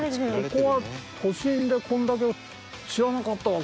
ここは都心でこんだけ知らなかったわ。